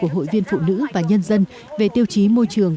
hội viên phụ nữ và nhân dân về tiêu chí môi trường